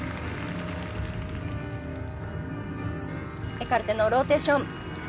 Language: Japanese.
エカルテのローテーション。